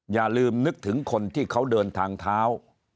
อย่าลืมนึกถึงคนที่เขาเดินทางเท้า